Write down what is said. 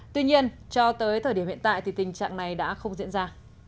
tuy nhiên cho tới thời điểm hiện tại thì tình trạng này đã không diễn ra